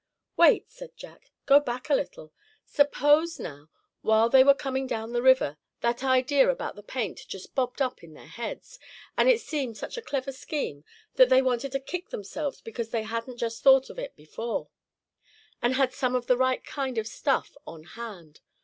"Wait," said Jack, "go back a little. Suppose now, while they were coming down the river, that idea about the paint just bobbed up in their heads, and it seemed such a clever scheme that they wanted to kick themselves because they hadn't just thought of it before, and had some of the right kind of stuff on hand.